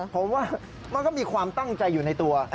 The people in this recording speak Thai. ผมว่ามันก็มีความตั้งใจอยู่ในตัว